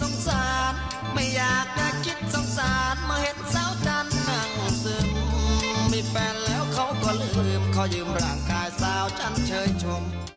เขาก็ลืมเขายืมร่างกายสาวจันเชยชม